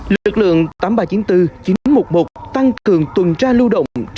lực lượng tám nghìn ba trăm chín mươi bốn chín trăm một mươi một tăng cường tuần tra lưu động